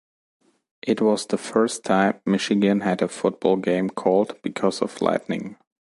It was the first time Michigan had a football game called because of lightning.